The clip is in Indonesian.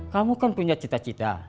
kamu kan punya cita cita